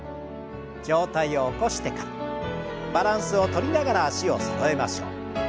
上体を起こしてからバランスをとりながら脚をそろえましょう。